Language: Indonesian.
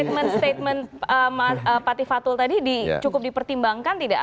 tapi statement statement pak fatul tadi cukup dipertimbangkan tidak